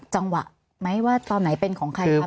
จังหวะไหมว่าตอนไหนเป็นของใครครับ